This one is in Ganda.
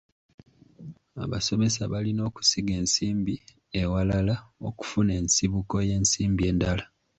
Abasomesa balina okusiga ensimbi ewalala okufuna ensibuko y'ensimbi endala.